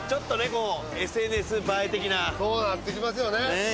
こうＳＮＳ映え的なそうなってきますよねねえ